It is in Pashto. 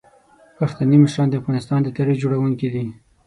پښتني مشران د افغانستان د تاریخ جوړونکي دي.